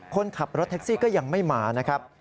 คนขับรถแท็กซี่ก็ยังไม่มานะครับ